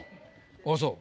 ああそう。